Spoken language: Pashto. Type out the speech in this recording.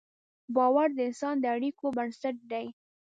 باور د انسان د اړیکو بنسټ دی.